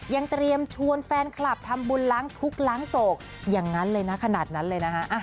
ยังเตรียมชวนแฟนคลับทำบุญล้างทุกข์ล้างโศกอย่างนั้นเลยนะขนาดนั้นเลยนะฮะ